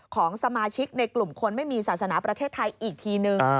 ของสมาชิกในกลุ่มคนไม่มีศาสนาประเทศไทยอีกทีนึง